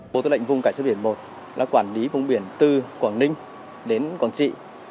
bộ tư lệnh vùng cảnh sát biển một là quản lý vùng biển từ quảng ninh đến quảng trị